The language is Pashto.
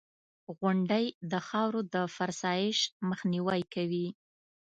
• غونډۍ د خاورو د فرسایش مخنیوی کوي.